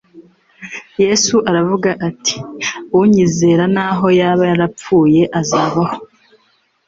Yesu aravuga ati :« unyizera naho yaba yarapfuye azabaho.